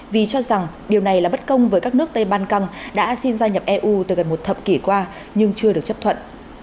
vì cho rằng điều này là bất công với các nước tây ban căng đã xin gia nhập eu từ gần một thập kỷ qua nhưng chưa được chấp thuận